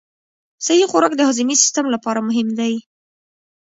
صحي خوراک د هاضمي سیستم لپاره مهم دی.